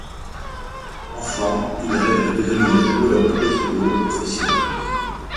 Enfant, il rêve de devenir joueur de baseball professionnel.